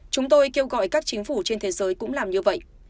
chúng tôi kêu gọi các chính phủ trên thế giới cũng làm như vậy